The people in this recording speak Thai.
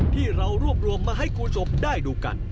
ที่เรารวบรวมมาให้คุณผู้ชมได้ดูกัน